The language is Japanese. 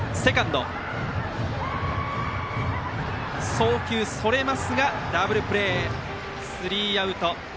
送球それましたがダブルプレーでスリーアウト。